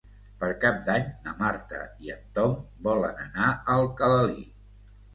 Per Cap d'Any na Marta i en Tom volen anar a Alcalalí.